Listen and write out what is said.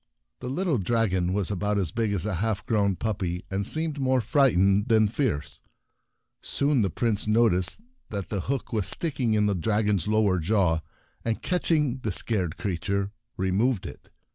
The little dragon was about as big as a half grown puppy, and seemed more frightened than fierce. Soon the Prince noticed that the hook was sticking in the Dragon Freed and the Dragons 31 dragon's lower jaw, and, catch ing the scared creature, re moved it.